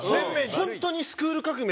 ホントに『スクール革命！』